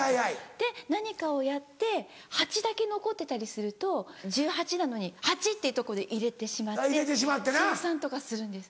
で何かをやって８だけ残ってたりすると１８なのに８っていうとこで入れてしまって精算とかするんです。